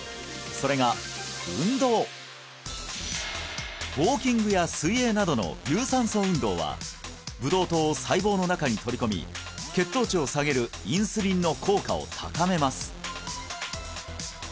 それがウォーキングや水泳などの有酸素運動はブドウ糖を細胞の中に取り込み血糖値を下げるインスリンの効果を高めます